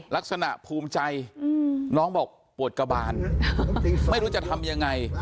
ภูมิใจน้องบอกปวดกระบานไม่รู้จะทำยังไง